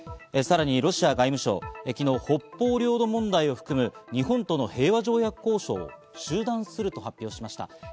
さらにロシア外務省、昨日、北方領土問題を含む日本との平和条約交渉を中断すると発表しました。